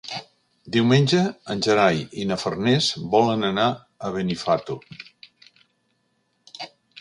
Diumenge en Gerai i na Farners volen anar a Benifato.